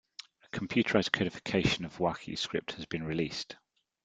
A computerized codification of Wakhi script has been released.